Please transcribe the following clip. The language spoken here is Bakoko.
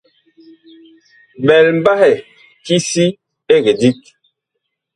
Ɓɛl mbahɛ ki si ɛg dig.